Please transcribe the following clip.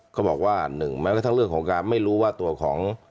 เขาบอกว่าหนึ่งแม้กระทั่งเรื่องของการไม่รู้ว่าตัวของ